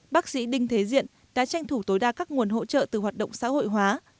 bác sĩ đinh thế diện đã tranh thủ tối đa các nguồn hỗ trợ từ hoạt động xã hội hóa